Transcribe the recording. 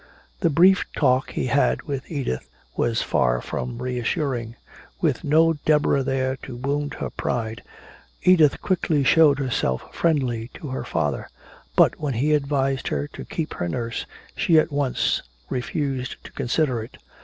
The brief talk he had with Edith was far from reassuring. With no Deborah there to wound her pride, Edith quickly showed herself friendly to her father; but when he advised her to keep her nurse, she at once refused to consider it.